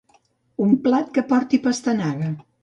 Un plat que porti pastanaga.